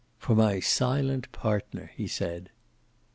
"For my silent partner!" he said.